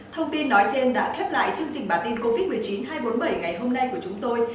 thông tin nói trên đã khép lại chương trình bản tin covid một mươi chín hai trăm bốn mươi bảy ngày hôm nay của chúng tôi